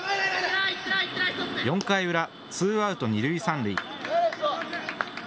４回裏、ツーアウト二塁三塁。